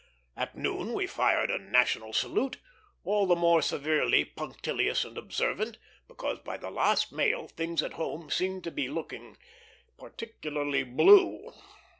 At noon we fired a national salute, all the more severely punctilious and observant, because by the last mail things at home seemed to be looking particularly blue.